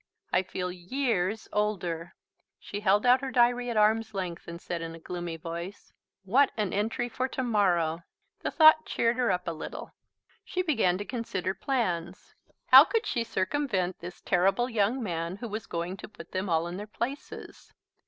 "I feel years older." She held out her diary at arm's length and said in a gloomy voice, "What an entry for to morrow!" The thought cheered her up a little. She began to consider plans. How could she circumvent this terrible young man who was going to put them all in their places.